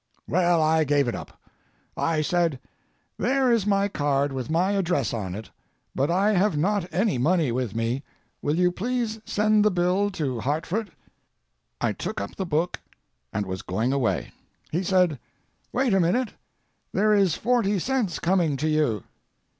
Well, I gave it up. I said: "There is my card with my address on it, but I have not any money with me. Will you please send the bill to Hartford?" I took up the book and was going away. He said: "Wait a minute. There is forty cents coming to you."